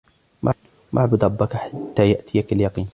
واعبد ربك حتى يأتيك اليقين